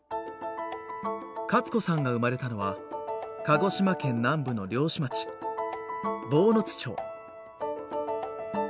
カツ子さんが生まれたのは鹿児島県南部の漁師町坊津町。